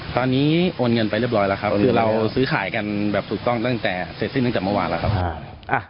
ตอนนี้โอนเงินไปเรียบร้อยแล้วครับคือเราซื้อขายกันแบบถูกต้องตั้งแต่เสร็จสิ้นตั้งแต่เมื่อวานแล้วครับ